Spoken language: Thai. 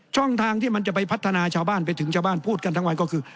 ช่องทางที่มันจะไปพัฒนาชาวบ้านไปถึงชาวบ้านพูดกันทั้งวันก็คือ